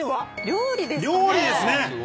料理ですかね。